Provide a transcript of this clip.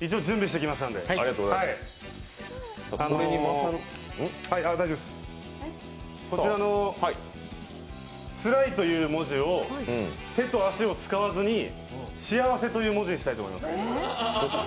一応、準備してきましたんでこちらの「辛」という文字を手と足を使わずに「幸」という文字にしたいと思います。